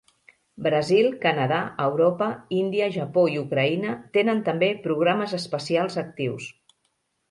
Brasil, Canadà, Europa, Índia, Japó i Ucraïna tenen també programes espacials actius.